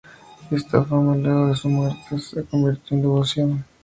Esa fama, luego de su muerte, se convirtió en devoción.